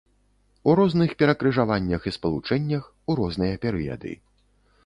У розных перакрыжаваннях і спалучэннях у розныя перыяды.